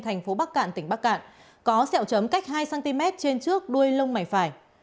tp bắc cạn tỉnh bắc cạn có xẹo chấm cách hai cm trên trước đuôi lông mảnh phải